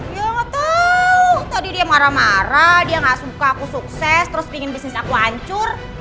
ya betul tadi dia marah marah dia gak suka aku sukses terus ingin bisnis aku hancur